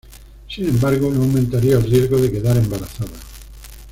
Sin embargo, no aumentaría el riesgo de quedar embarazada.